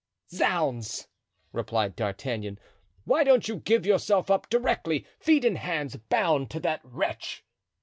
"Zounds!" replied D'Artagnan, "why don't you give yourself up directly, feet and hands bound, to that wretch?